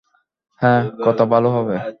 হ্যাঁ, কত ভালো হবে।